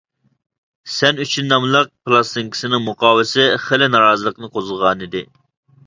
سەن ئۈچۈن ناملىق پىلاستىنكىسىنىڭ مۇقاۋىسى خېلى نارازىلىقنى قوزغىغانىدى.